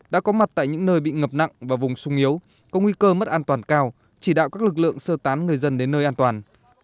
đã có mặt tại những nơi bị ngập nặng và vùng sung yếu có nguy cơ mất an toàn cao chỉ đạo các lực lượng sơ tán người dân đến nơi an toàn